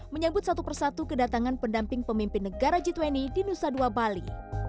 menyebut satu persatu kedatangan pendamping pemimpin negara g dua puluh di nusa dua bali